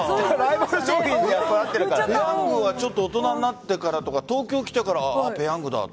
ペヤングは大人になってからとか東京に来てからペヤングだって。